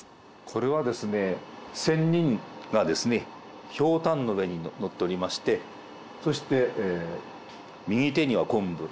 これはですね仙人がですねひょうたんの上に乗っておりましてそして右手には昆布。